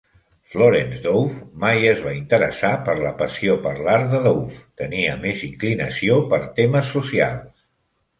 Florence Dove mai es va interessar per la passió per l'art de Dove; tenia més inclinació per temes socials.